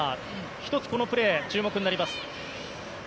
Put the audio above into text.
１つ、このプレー注目になります。